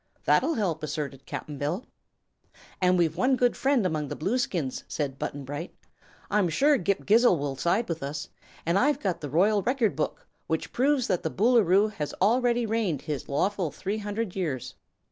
"That'll help," asserted Cap'n Bill. "And we've one good friend among the Blueskins," said Button Bright. "I'm sure Ghip Ghisizzle will side with us, and I've got the Royal Record Book, which proves that the Boolooroo has already reigned his lawful three hundred years."